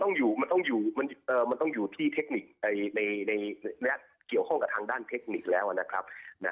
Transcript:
คือใครมันต้องอยู่ชั้นที่เทคนิคไปแล้วนะครับ